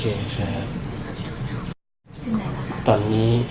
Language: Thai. ก็ส่องรถด้วยกลับมา